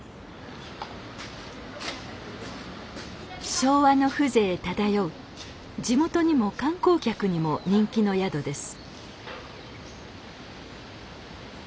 昭和の風情漂う地元にも観光客にも人気の宿です。